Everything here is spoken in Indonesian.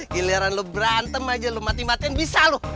giliran lo berantem aja lo mati matian bisa lo